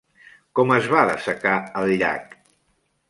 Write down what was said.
Com es va dessecar el llac?